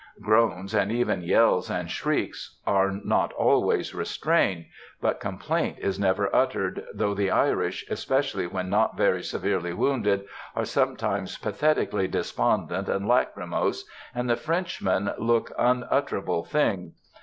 Groans, and even yells and shrieks, are not always restrained, but complaint is never uttered, though the Irish, especially when not very severely wounded, are sometimes pathetically despondent and lachrymose, and the Frenchmen look unutterable things.